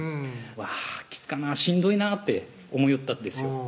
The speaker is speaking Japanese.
わぁきつかなぁしんどいなって思いよったんですよ